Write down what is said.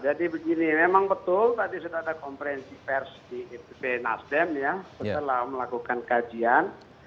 jadi begini memang betul tadi sudah ada konferensi pers di bnasdem setelah melakukan kajian